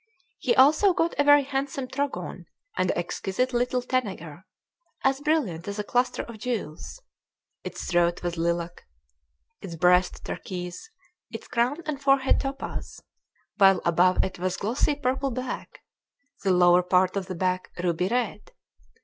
He also got a very handsome trogon and an exquisite little tanager, as brilliant as a cluster of jewels; its throat was lilac, its breast turquoise, its crown and forehead topaz, while above it was glossy purple black, the lower part of the back ruby red.